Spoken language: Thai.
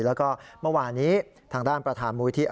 แล้วก็เมื่อวานี้ทางด้านประธานมูลิธิ